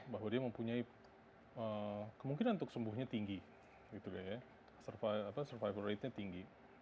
bahwa dia mempunyai kemungkinan untuk sembuhnya tinggi survival ratenya tinggi